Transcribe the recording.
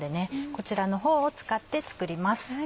こちらの方を使って作ります。